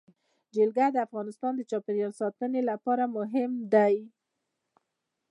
جلګه د افغانستان د چاپیریال ساتنې لپاره مهم دي.